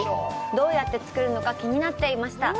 どうやって作るのか気になっていました。